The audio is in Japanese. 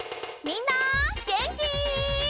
みんなげんき？